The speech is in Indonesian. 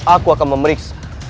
aku akan memeriksa